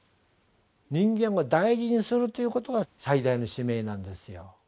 人間を大事にするということが最大の使命なんですよ。